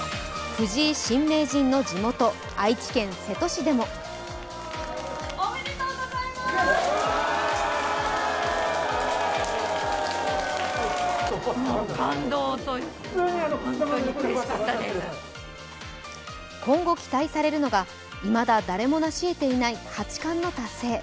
藤井新名人の地元愛知県瀬戸市でも今後、期待されるのがいまだ誰もなしえていない八冠の達成。